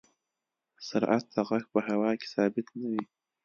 سرعت د غږ په هوا کې ثابت نه وي.